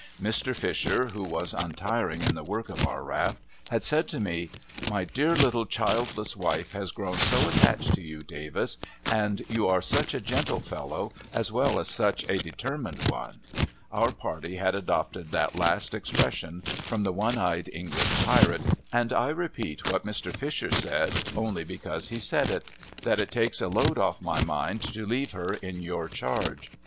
Mr. Fisher, who was untiring in the work of our raft, had said to me :' My dear little childless wife has grown so attached to you, Davis, and you are such a gentle fellow, as well as such a de termined one ;' our party had adopted that last expression from the one eyed English pirate, and I repeat what Mr. Fisher said, only because he said it ;' that it takes a load off my mind to leave her in your charge.'